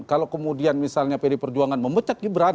kalau kemudian misalnya pd perjuangan memecat gibran